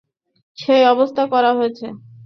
সেই ব্যবস্থা করা হয়েছে।